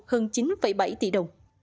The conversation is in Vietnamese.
hơn chín bảy tỷ đồng